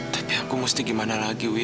tapi aku mesti gimana lagi wi